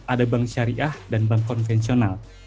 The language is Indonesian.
ada bank syariah dan bank konvensional